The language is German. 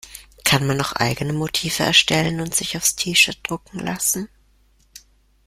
Kann man auch eigene Motive erstellen und sich aufs T-Shirt drucken lassen?